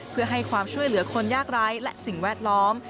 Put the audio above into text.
เพื่อให้ความช่วยเหลือคนยากร้ายและสิ่งแวดล้อม